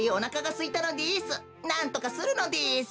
なんとかするのです。